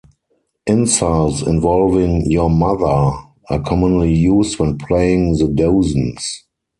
Insults involving "your mother" are commonly used when playing the dozens.